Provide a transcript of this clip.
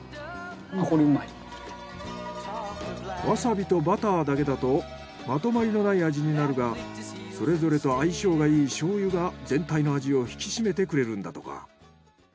わさびとバターだけだとまとまりのない味になるがそれぞれと相性がいい醤油が全体の味を引き締めてくれるんだとか。